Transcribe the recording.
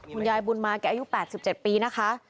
คุณยายบุญมาแกอายุ๘๗ปีนะคะ